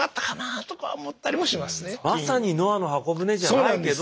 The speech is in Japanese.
まさにノアの方舟じゃないけど。